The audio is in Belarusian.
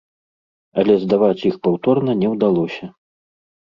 Але здаваць іх паўторна не ўдалося.